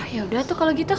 yaudah tuh kalau gitu